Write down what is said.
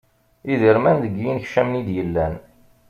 Idermen deg yinekcamen i d-yellan.